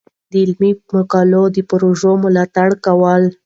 د علمي مقالو د پروژو ملاتړ کول.